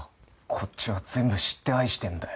こっちは全部知って愛してるんだよ。